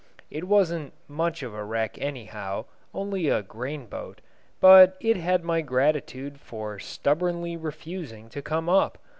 It wasn't much of a wreck anyhow only a grain boat but it had my gratitude for stubbornly refusing to come up.